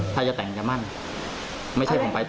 พี่เข้าใจถูกมั้ย